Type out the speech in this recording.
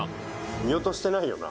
見落としてないよな？